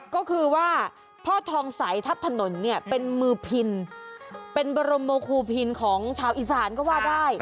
ก็คือว่าพ่อทองใสทัพถนนเนี่ยเป็นมือพินเป็นบรมโมคูพินของชาวอีสานก็ว่าได้